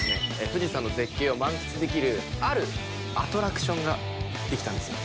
富士山の絶景を満喫できるあるアトラクションが出来たんですよ。